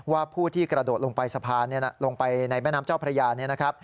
ว่าผู้ที่กระโดดลงไปสะพานลงไปในแม่น้ำเจ้าพระยา